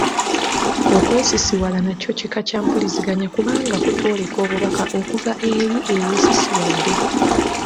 Okwesisiwala nakwo kika kya mpuliziganya kubanga kutwoleka obubaka okuva eri eyeesisiwadde.